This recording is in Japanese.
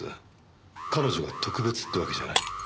彼女が特別ってわけじゃない。